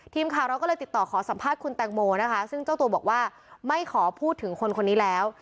ทีมข่าวเราก็เลยติดต่อขอสัมภาษณ์คุณแตงโมนะคะซึ่งเจ้าตัวบอกว่าไม่ขอพูดถึงคนคนนี้แล้ว